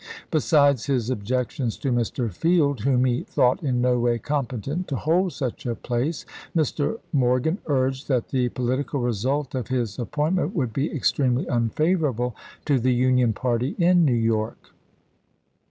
Besides his objections to Mr. Field, whom he thought in no way competent to hold such a place, Mr. Morgan urged that the po litical result of his appointment would be extremely unfavorable to the Union party in New York.